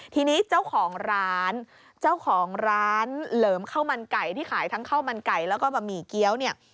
ทีนี้เจ้าของร้านเจ้าของร้านเหลิมข้าวมันไก่ที่ขายทั้งข้าวมันไก่แล้วก็บะหมี่เกี้ยวเนี่ย